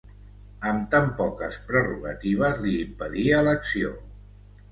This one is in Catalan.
Amb tan poques prerrogatives li impedia l'acció.